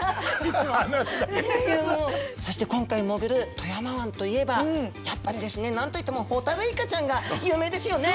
そして今回潜る富山湾といえばやっぱりですね何といってもホタルイカちゃんが有名ですよね。